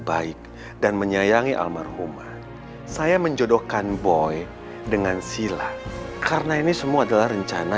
baik dan menyayangi almarhumah saya menjodohkan boy dengan sila karena ini semua adalah rencana